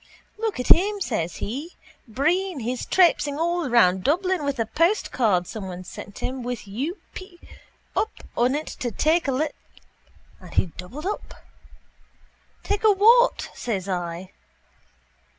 —Look at him, says he. Breen. He's traipsing all round Dublin with a postcard someone sent him with U. p: up on it to take a li... And he doubled up. —Take a what? says I.